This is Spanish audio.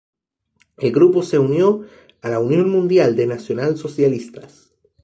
El grupo se unió a la Unión Mundial de Nacional Socialistas.